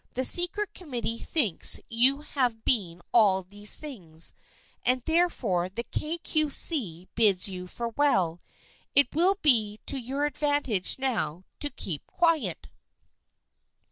The secret committee thinks you have been all these things, and therefore the Kay Cue See bids you farewell. It will be to your advantage now to Keep Quiet